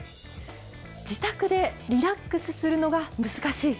自宅でリラックスするのが難しい！